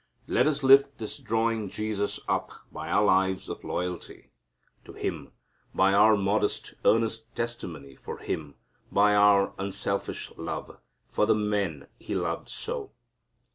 Let us lift this drawing Jesus up by our lives of loyalty to Him, by our modest, earnest testimony for Him, by our unselfish love for the men He loved so.